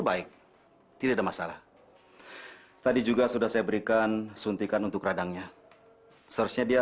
baik tidak ada masalah tadi juga sudah saya berikan suntikan untuk radangnya seharusnya dia